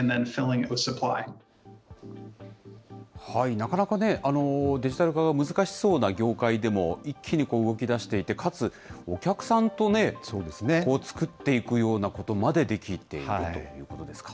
なかなかね、デジタル化が難しそうな業界でも、一気に動きだしていて、かつお客さんと作っていくようなことまでできているということですか。